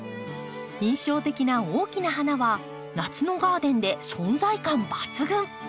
印象的な大きな花は夏のガーデンで存在感抜群。